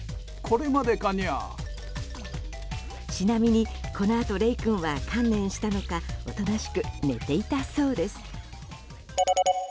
ちなみにこのあとレイ君は観念したのかおとなしく寝ていたそうです。